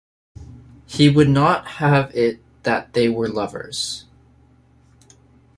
He would not have it that they were lovers.